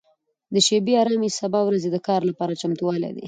د شپې ارامي د سبا ورځې د کار لپاره چمتووالی دی.